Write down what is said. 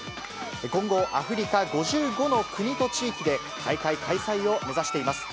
今後、アフリカ５５の国と地域で、大会開催を目指しています。